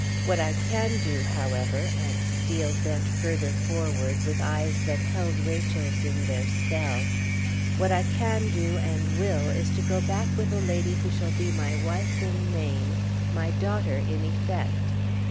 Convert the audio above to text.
What I can do, however," and Steel bent further forward, with eyes that held Rachel's in their spell; "what I can do, and will, is to go back with a lady who shall be my wife in name, my daughter in effect.